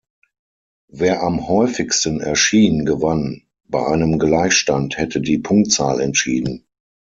Wer am häufigsten erschien, gewann, bei einem Gleichstand hätte die Punktzahl entschieden.